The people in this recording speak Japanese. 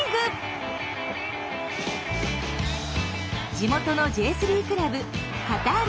地元のＪ３クラブカターレ